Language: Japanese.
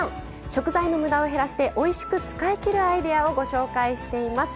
食材のむだを減らしておいしく使いきるアイデアをご紹介しています。